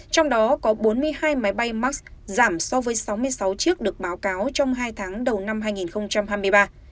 trong đó có bốn mươi hai máy bay max giảm so với sáu mươi sáu chiếc được báo cáo trong hai tháng đầu năm hai nghìn hai mươi ba